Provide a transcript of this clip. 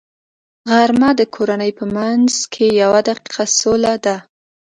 غرمه د کورنۍ په منځ کې یوه دقیقه سوله ده